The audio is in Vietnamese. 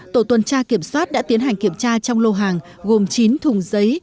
tổ tuần tra kiểm soát đã tiến hành kiểm tra trong lô hàng gồm chín thùng giấy